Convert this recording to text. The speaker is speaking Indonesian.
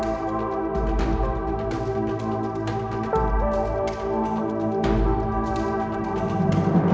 ini kan masih ada